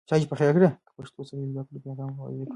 که پښتو صحیح زده کړو، پیغام به واضح وي.